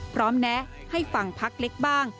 แนะให้ฟังพักเล็กบ้าง